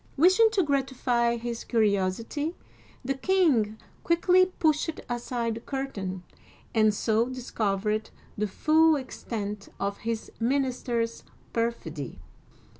Wishing to gratify his curiosity, the king quickly pushed aside the curtain, and so discovered the full extent of his minister's perfidy.